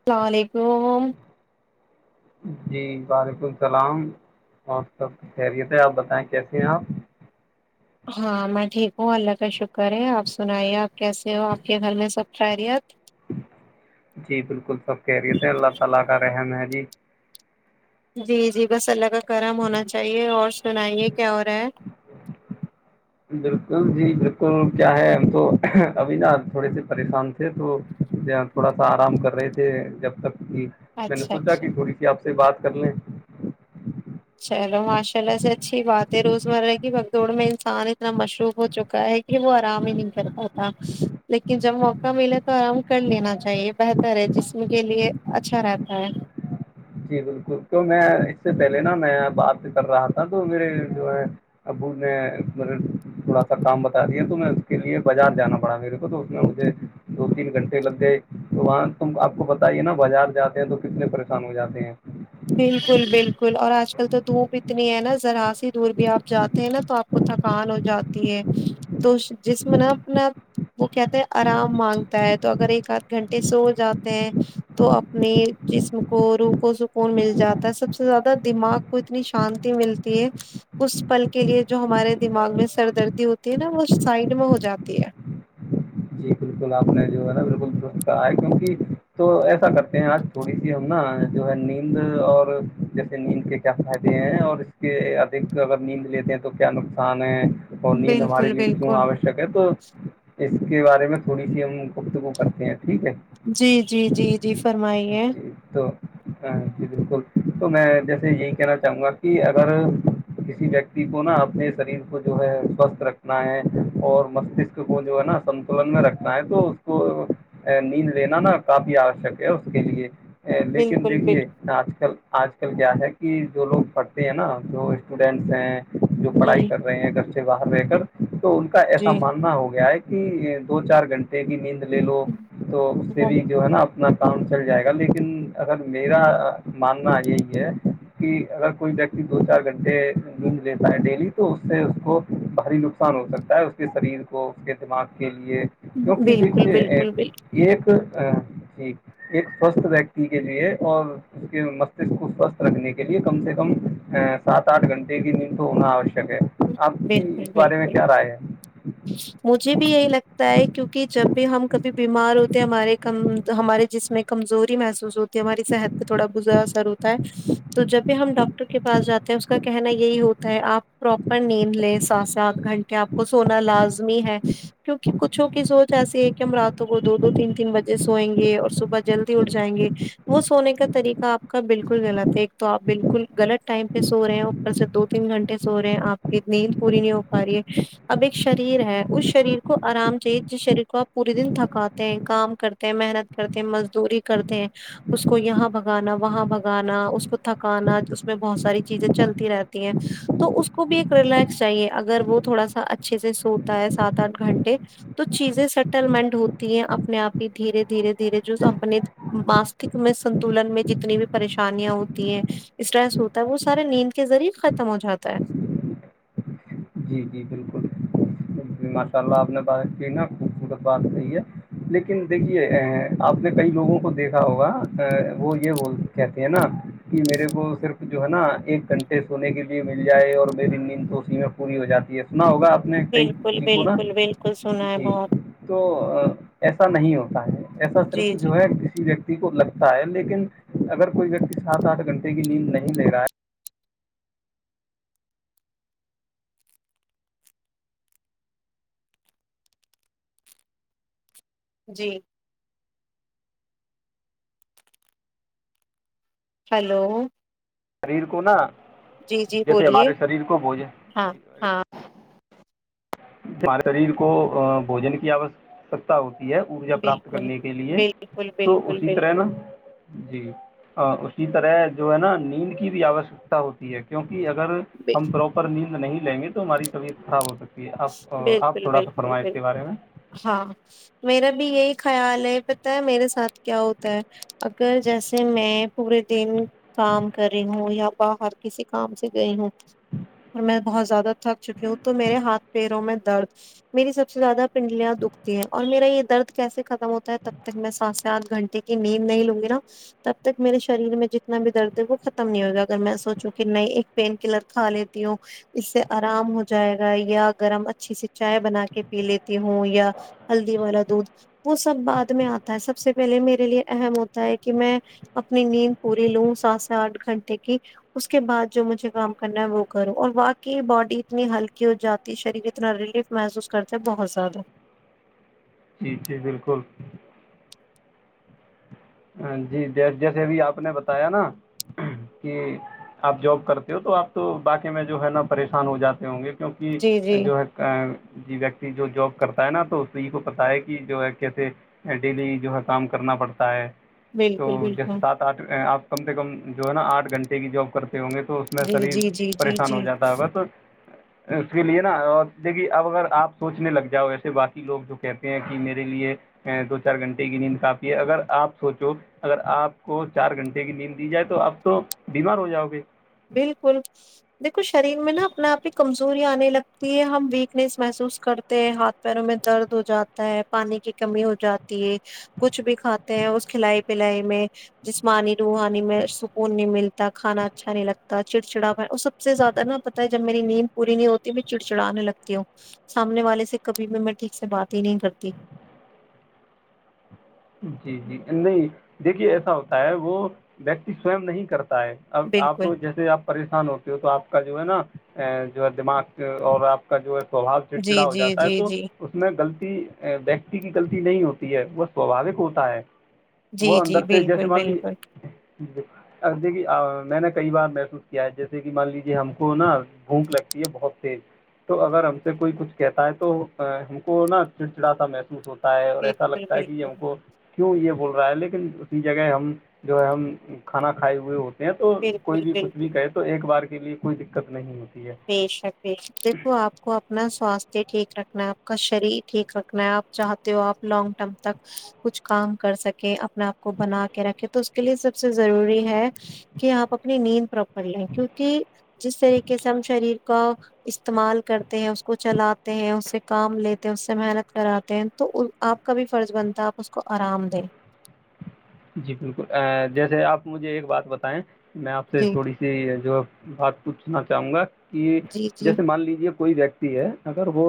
[inaudible] جی وعلیکم السلام اور سب کی خیریت ہے آپ بتائیں کیسے ہیں آپ ہاں میں ٹھیک ہوں اللہ کا شکر ہے آپ سنائیے آپ کیسے ہو آپ کے گھر میں سب خیریت جی بالکل سب کہہ رہیے تھے اللہ کا رحم ہے جی جی جی بس اللہ کا کرم ہونا چاہیے اور سنائیے کیا ہو رہا ہے بالکل جی بالکل کیا ہے ہم تو ابھی نا تھوڑے سے پریشان تھے تو تھوڑا سا آرام کر رہے تھے جب تک کہ میں نے اچھا سوچا اچھا کہ تھوڑی سی آپ سے بات کر لیں چلو ماشاء اللہ سے اچھی بات ہے روزمرہ کی بھگدڑ میں انسان اتنا مشروب ہو چکا ہے ہی وہو آراام نہیں کرتا ہوتا لیکن جب موقع ملے تو آرام کر لینا چاہیے بہتر ہے جسم کے لیے اچھا رہتا ہے جی بالکل تو میں اس سے پہلے نا میں بات کر رہا تھا تو میرے جو ہے ابو نے مطب تھوڑا سا کام بتا دیا تو میں اس کے لیے بازار جانا پڑا میرے کو تو اس میں مجھے دو تین گھنٹے لگ گئے تو وہاں تم آپ کو بتائیے نا بازار جاتے ہیں تو کتنے پریشان ہو جاتے ہیں بالکل بالکل اور آج کل تو دھوپ اتنی ہے نا ذرا سی دور بھی آپ جاتے ہیں نا تو آپ کو تھکان ہو جاتی ہے تو جسم ن اپنا وہ کہتے ہیں آرام مانگتا ہے تو اگر ایک آدھ گھنٹے سو جاتے ہیں تو اپنے جسم کو روح کو س مل جاتا ہے سب سے زیادہ دماغ کو اتنی شانتی ملتی ہے اس پل کے لیے جو ہمارے دماغ میں سر دردی ہوتی ہے نا وہ سائڈ میں ہو جاتی ہے جی بالکل آپ نے جو ہے نا بالکل درست کہا ہے کیونکہ تو ایسا کرتے ہیں آج تھوڑیی ہم نا جو ہے نیند اور جیسے نیند کے کیا فائدے ہیں اور ادھ اگر نیند لیتے ہیں تو کیا نقصان ہے اور نیند ہمارے بالکل لیے کیوں بالکل آ ہے تو اس کے بارے میں تھوڑی سی ہم گفتگو کرتے ہیں ٹھیک ہے جی جی جی جی فرمائیے جی تو ہ جی بالکل تو میں جیسے یہی کہنا چاہوں گا کہ اگر کسی ویکتی کو نا اپنے شریر کو جو ہے سوستھ رکھنا ہے اور مستک کو جو ہے نا ستلن میں رکھ ہے تو اس کو نیند لینا نا کافی آوشک ہے اس کے لیے ا لیکن بالکل دیکھیے بالکل آج کل آج کل کیا ہے کہ جو لوگ پڑھتے ہیں نا جو اسٹوڈینٹس ہیں جو جی پڑھائی کر رہے ہیں گھر سے باہر رہ کر تو ان کا ایسا جی ماننا ہو گیا ہے دو چار گھنٹے کی نیند لے لو تو اس سے بھی جو ہے نا اپنا کانٹ چل جائے گا لیکن اگر میرا ماننا یہی ہے کہ اگر کوئی ویکتی دو چار گھنٹے لڈ لیتا ہے ڈیلی تو اس سے اس کو بھاری نقان نقصان ہو سکتا ہے اس کے شریر کو اس کے دماغ کے لیے کیونکہ بالکل بالکل د بالکل ایک جی ایک سوستھ ویکتی کے لیے اور اس کے مستک کو سوستھ رکھنے کے لیے کم سے کم سات آٹھ گھنٹے کی نم تو ہونا آوشک ہے آپ کی بالکل اس بارے میں بالکل کیا رائے ہے مجھے بھی یہی لگتا ہے کیونکہ جب بھی ہم کبھی بیمار ہوتے ہمارے کہ ہمارے جس میں کمزوری محسوس ہوتی ہے ہماری صحت پہ تھوڑا بزا اثر ہوتا ہے تو جب بھی ہم ڈاکٹر کے پاس جاتے ہیں اس کا کہنا یہی ہوتا ہے آپ پراپر نیند لیں سات ساتھ گھنٹے کہ آپ کو سونا لازمی ہے کیونکہ کچھوں کی سوچ ایسی ہے کہ ہم راتوں کو دو دو تین تین بجے سوئیں گے اور صبح جلدی اٹھ جائیں گے وہ سونے کا طریقہ آپ کا بالکل غلط ہے ایک تو آپ بالکل غلط ٹائم پہ سو رہے ہیں سے دو تین گھنٹے سو رہے ہیں آپ کی نیند پوری نہیں ہو پا رہی ہے اب ایک شریر ہے اس شریر کو آرام چاہیے جس شریر کو آپ پورے دن تھکاتے ہیں کام کرتے محنت کرتے ہیں مزدوری کرتے ہیں اس کو یہاں بھگانا وہاں بھگانا اس کو تھکانا اس میں بہت ساری چیزیں چلتی رہتی ہیں تو اس کو بھی ایک ریلیکس چاہیے اگر وہ تھوڑا سا اچھے سے سوتا ہے سات آٹھ گھنٹے تو چیزیں سیٹللمنٹ ہوتی ہیں اپنے آپ ہی دھیرے دھیرے دھیرے جونے ماستک میں سنتولن میں جتنی بھی پریشانیاں ہوتی ہیں اسرح سے ہوتا ہے وہ سارے نیند کے ذریعے ختم ہو جاتا ہے جی جی بالکل جی ماشاء اللہ آپ نے بات کی نا خوبصورت بات صحیح ہے لیکن دیکھیے آپ نے کئی لوگوں کو دیکھا ہوگا وہ یہ کہتے ہیں نا کہ میرے کو صرف جو ہے نا ایک گھنٹے سونے کے لیے مل جائے اور میری نیند تو اسی میں پوری ہو جاتی ہے سنا ہوگا آپ نے کئی بالکل کسی کو نا بالکل بالکل سنا ہے جی بہت تو ایسا نہیں ہوتا ہے ایسا صرف جی جی جو ہے کسی و کو لگتا ہے لیکن اگر کوئی ویکتی سات آٹھ گھنٹے کی نیند نہیں لے رہا ہے جی ہیلو شریر کو نا جی جی جیسے بولیے ہمارے شریر کو بوجھے ہاں ہاں ہمارے شریر کو بوجن کی آوشکتا ہوتی ہے ارجا پراپت بالکل کرنے کے لیے بالکل تو بالکل اسی طرح نا بالکل جی اسی طرح جو ہے نا نیند کی بھی آوشکتا ہوتی ہے کیونکہ اگر بے- ہم پراپر نیند نہیں لیں گے تو ہماری طبیعت خراب ہو سکتی جی آپ آپ بالکل تھوڑا سا بالکل فرمائیں اس بالکل کے بارے میں ہاں میرا بھی یہی خیال ہے پت ہے میرے ساتھ کیا ہوتا ہے اگر جیسے میں پورے دن کام کر رہی ہوں یا باہر کسی کام سے گئی ہوں اور میں بہت زیادہ تھک چکی ہوں تو میرے ہاتھ پیروں میں درد میری سب سے زیادہ پنڈلیاں دکھتی ہیں اور میرا یہ درد کیسے ختم ہوتا ہے تب تک میں سات سے آٹھ گھنٹے کی نیند نہیں لوں گی نا تب تک میرے شریر میں جتنا بھی درد ہے وہ ختم نہیں ہوگا اگر میں سوچوں کہ نئے ایک پین کلر کھا لیتی ہوں اس سے آرام ہو جائے گا یا گرم اچھی سے چائے بنا کے پی لیتی ہوں یا ہلدی والا دودھ وہ سب بعد میں آتا ہے سب سے پہلے میرے لیے اہم ہوتا ہے کہ میں اپنی نیند پوری لوں سات سے آٹھ گھنٹے کی اس کے بعد جو مجھے کام کرنا ہے وہ کروں اور واقی باڈی اتنی ہلکی ہو جاتی شریر اتنا ریلیف محسوس کرتے ہیں بہت زیادہ جی جی بالکل جی جی جیسے بھی آپ نے بتایا نا کہ آپ جاب کرتے ہو تو آپ تو باقی میں جو ہے نا پریشان ہو جاتے ہوں گے کیونکہ جی جی جو ہے ویکتی جو جاب کرتا ہے نا تو اسی کو پتا ہے کہ جو ہے کیسے ڈیلی جو ہے کام کرنا پڑتا ہے تو بالکل جیسے بالکل سات آٹھ آپ کم سے کم جو ہے نا آٹھ گھنٹے بھی جاب کرتے ہوں گے تو اس میں جی شریر جی جی جی پریشان ہو جی جاتا ہے [unintelligible] تو اس کے لیے نا اور دیکھیے اب اگر آپ سوچنے لگ جاؤ وسے باقی لوگ جو کہتے ہیں کہ میرے لیے دو چار گھنٹے کی نیند کافی ہے اگر آپ سوچو اگر آپ کو چار گھنٹے کی نیند دی جائے تو اپ تو بیمار ہو جاؤ گے بالکل دیکھو شریر میں نا اپنے آپ کی کمزوریا آنے لگتی ہے ہم ویکنیس محسوس کرتے ہاتھ پیروں میں درد ہو جاتا ہے پانی کی کمی ہو جاتی ہے کچھ بھی کھاتے ہیں اس کھلائی پلائی میں جسمانی روحانی میں سکون نہیں ملتا کھانا اچھا نہیں لگتا چڑچڑاو اور سب سے زیادہ نا پتا ہے جب میری نیند پوری نہیں ہوتی میں چڑچڑانے لگتی ہوں سامنے والے سے کبھی بھی میں ٹھیک سے بات ہی نہیں کرتی نہیں دیکھیے ایسا ہوتا ہے وہ ویکتی سوئم نہیں کرتا ہے اب آپ بالکل جیسے آپ پریشان ہوتے ہو تو آپ کا جو ہے نا جو ہے دماغ اور آپ کا جو ہے سو بھاوچڑا جی چڑا ہو جی جاتا ہے جی تو جی اس میں غلط ویکتی کی غلطی نہیں ہوتی ہے وہ سوبھاوک ہوتا ہے وہ جی جی اندر سے جیسے بالکل مان بالکل لیے دیکھیے میں نے کئی بار محسوس کیا ہے جیسے کہ مان لیجے ہم کو نا بھوک لگتی ہے بہت تیز تو اگر ہم سے کوئی کچھ کہتا ہے تو ہم کو نا چڑچڑاتا محسوس ہوتا ہے اور ایسا بالکل لگتا ہے کہ بالکل ہم کو کیوں یہ بول رہا ہے لیکن اسی جگہ ہم جو ہے ہم کھانا کھائے ہوئے ہوتے یہ تو بالکل کوئی بھی بالکل کچھ بھی کہے تو ایک بار کے لیے کوئی دقت نہیں ہوتی ہے بشک دیکھو آپ کو اپنا سواستھ ٹھیک رکھنا ہے آپ کا شریر ٹھیک رکھنا ہے آپ چاہ آپ لانگ ٹرم تک کچھ کام کر سکے اپنے آپ کو بنا کے رکھے تو کے لیے سب سے ضروری ہے کہ آپ اپنی نیند پراپر لیں کیونکہ جس طریقے سے ہم شریر کا استعمال کرتے ہیں اس کو چلاتے ہیں اس سے کام لیتے ہیں اس سے محنت کراتے ہیں تو آپ آپ کا بھی فرض بنتا ہے آپ اس کو آرام دیں جی بالکل جیسے آپ مجھے ایک بات بتائیں میں آپ سے جی تھوڑیی جی جو بات پوچھنا چاہوں گا کہ جی جی جیسے مان لیجے کوئی ویکتی ہے اگر وہ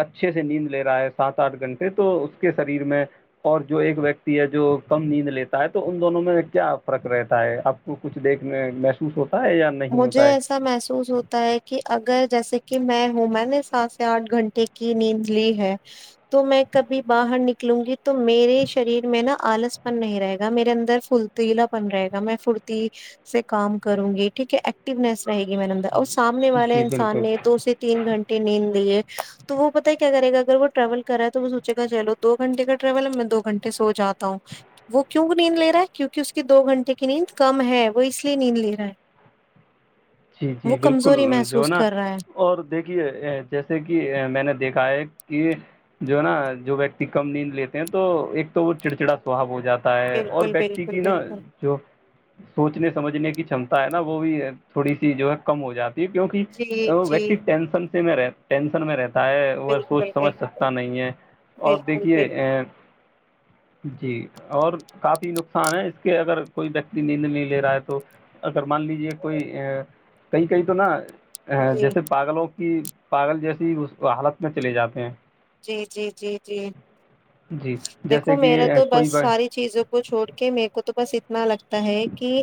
اچھے سے نیند لے رہا ہے سات آٹھ گھنٹے تو اس کے شریر میں اور جو ایک ویکتی ہے جو کم نیند لیتا ہے تو ان دونوں میں کیا فرق رہتا ہے آپ کو کچھ دیکھنے محسوس ہوتا ہے یا نہیں مجھے ہوتا ہے ایسا محسوس ہوتا ہے کہ اگر جیسے کہ میں ہوں میں نے سات سے آٹھ گھنٹے کی نیند لی ہے تو میں کبھی باہر نکلوں گی تو میرے شریر میں نا آلس پن نہیں رہے گا میرے اندر فل تیلا بن رہے گا میں فھرتی سے کام کروں گی ٹھیک ہے ایککٹونیس رہے گی میڈم اور سامنے والے جی انسان بالکل نے تو اس تین گھنٹے نیند لیے تو وہ پتا ہے کیا کرے گا اگر وہ ٹریول کرا ہے تو وہ سوچے گا چلو دو گھنٹے کا ٹریول ہے میں دو گھنٹے سے ہو جاتا ہوں وہ کیوں نیند لے رہا ہے کیوںکہ اس کی دو گھنٹے کی نیند کم ہے وہ اس لیے نیند لے رہا ہے جی وہ جی کمزوری بالکل جو محسوس نا کر رہا ہے اور دیکھیے جیسے کہ میں نے دیکھا ہے کہ جو ہے نا جو ویکتی کم نیند لیتے ہیں تو ایک تو وہ چڑچڑا سوھااب ہو جاتا ہے اور بالکل ویکتی بالکل کی نا بالکل جو سوچنے سمجھنے کی شامھمتا ہے نا وہ بھی تھوڑی سی جو ہے کم ہو جاتی ہے کیونکہ جی وہ جی ویکتی ٹینشن سے میں رہ ٹینشن میں رہتا وہ بالکل سوچ سمجھ بالکل سکتا نہیں ہے اور بالکل دیکھیے بالکل جی اور کافی نقصان ہے اس کے اگر کوئی ویکتی نیند نہیں لے رہا ہے تو اگر مان لیجیے کوئی ا کئی کہئی تو نہا جی جیسے پاگلوں کی پاگل جیسی ہی اس حالت میں چلے جاتے ہیں جی جی جی جی جی دیکھو جیسے کہ میرا اہ، تو کوئی بس ب- ساری چیزوں کو چھوڑ کے میرے کو تو بس اتنا لگتا ہے کہ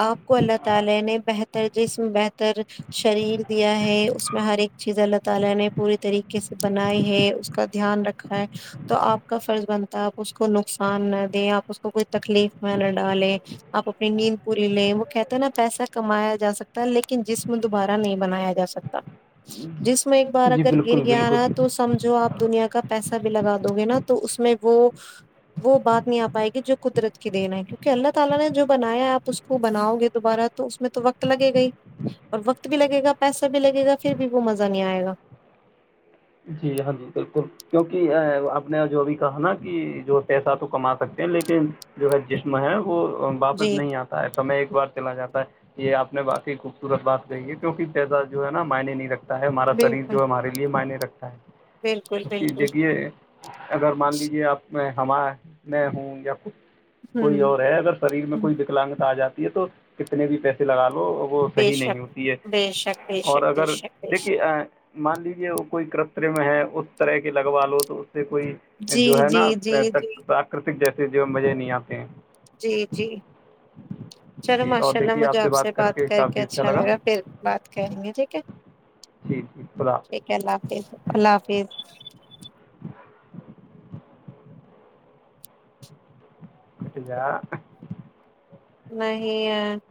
اپ کو اللہ تعالی نے بہتر جسم بہتر شریر دیا ہے اس میں ہر ایک چیز اللہ تعالی نے پورے طریقے سے بنائے ہیں کا دھیان رکھا ہے تو آپ کا فرض بنتا ہے آپ اس کو نقصان نہ دیں آپ اس کو کوئی تکلیف میں نہ ڈالیں آپ اپنی نیند پوری لیں وہ کہتے ہیں نا پیسہ کمایا جا سکتا ہے لیکن جسم دوبارہ نہیں بنایا جا سکتا [unintelligible] ہ [inaudible] جس میں ایک بار اگر گر گیا رہا تو سمجھو آپ دنیا کا پیسہ بھی لگا دو گے نا تو اس میں وہ وہ بات نہیں آ پائے گی جو قدرت کی دین ہے کیونکہ اللہ تعالی نے جو بنایا ہے آپ اس کو بناؤ گے دوبارہ تو اس میں تو وقت لگے گا اور وقت بھی لگے گا پیسہ بھی لگے گا پھر بھی وہ مزہ نہیں آئے گا جی ہاں جی بالکل کیونک اپ نے جو بھی کہا نا کہ جو پیسہ تو کما سکتے ہیں لیکن جو ہے جسم ہے وہ واپس جی نہیں آتا ہے سمے ایک بار چلا جاتا ہے یہ آپ نے باقی خوبصورت بات کہی ہے کیونکہ تزاد جو ہے نا معائنی نہیں رکھا تا ہمارا شریر بالکل جو ہے ہمارے لیے معنی رکھتا ہے بالکل کیکہ بالکل دیکھیے اگر مان لیجے آپ میں ہمار میں ہوں یا کچھ کوئی ہوں اور ہے اگر شریر میں ہوں، کوئی وکلاگت آ جاتی ہے تو کتنے بھی پیسے لگا لو وہ بے صحیح نہیں شک ہوتی ہے بے شک بے اور شک بے اگر شک بے دیکھیے شک مان لیجے وہ کوئی کرتم ہے اس طرح کی لگوا لو تو اس سے کوئی جی جو ہے جی نا جی جی پراکرتک جیسے جو مزے نہیں آتے ہیں جی جی چلو ماشاء اللہ مجھے آپ سے بات کر کے اچھا لگا پھر بات کریں گے ٹھیک ہے جی جٹھیک خدلہ حافظ [unintelligible] ٹھیک اللہ حافظ اللہ حافظ پ ج نہیں [inaudible]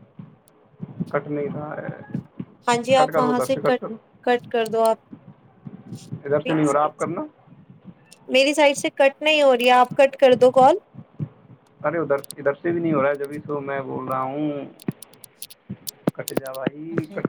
کٹنے تھا ہاں جی آپ وہاں سے کٹ کٹ کر دو آپ ادھر سے میری نہیں ہو رہا سائڈ آپ سے کرنا میری سائڈ سے کٹ نہیں ہو رہی ہے آپ کٹ کر دو کال ارے ادھر ادھر سے بھی نہیں ہو رہا ہے جبھی سو میں بول رہا ہوں کٹ جا بائی پصلی [unintelligible]